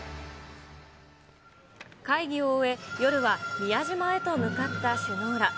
会議を終え、夜は宮島へと向かった首脳ら。